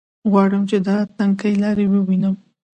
غواړم چې دا تنګې لارې ووینم.